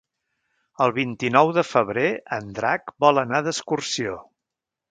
El vint-i-nou de febrer en Drac vol anar d'excursió.